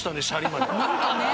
何かね。